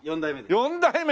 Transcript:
４代目！？